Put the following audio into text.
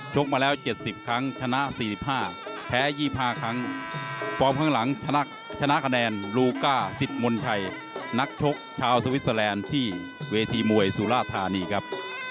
กมาแล้ว๗๐ครั้งชนะ๔๕แพ้๒๕ครั้งฟอร์มข้างหลังชนะคะแนนลูก้าสิทธิมนชัยนักชกชาวสวิสเตอร์แลนด์ที่เวทีมวยสุราธานีครับ